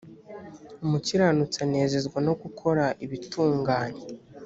umukiranutsi anezezwa no gukora ibitunganye